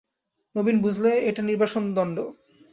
নবীন বুঝলে এটা নির্বাসনদণ্ড।